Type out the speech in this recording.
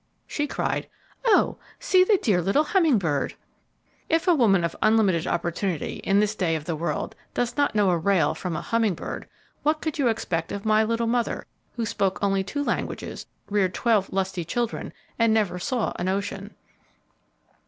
She cried, "Oh! see the dear little hummingbird!" If a woman of unlimited opportunity, in this day of the world, does not know a rail from a humming bird, what could you expect of my little mother, who spoke only two languages, reared twelve lusty children, and never saw an ocean.